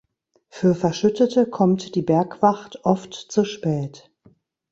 Für Verschüttete kommt die Bergwacht oft zu spät.